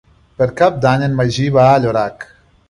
Per Cap d'Any en Magí va a Llorac.